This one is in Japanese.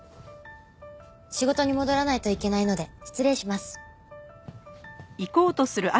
仕事に戻らないといけないので失礼します。